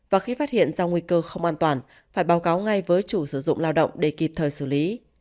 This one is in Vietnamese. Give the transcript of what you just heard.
và khi phát hiện ra nguy cơ không an toàn phải báo cáo ngay với chủ sử dụng lao động để kịp thời xử lý